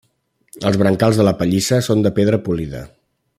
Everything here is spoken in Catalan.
Els brancals de la pallissa són de pedra polida.